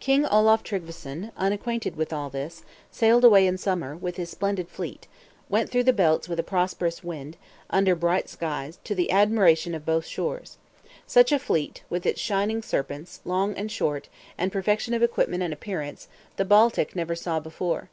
King Olaf Tryggveson, unacquainted with all this, sailed away in summer, with his splendid fleet; went through the Belts with prosperous winds, under bright skies, to the admiration of both shores. Such a fleet, with its shining Serpents, long and short, and perfection of equipment and appearance, the Baltic never saw before.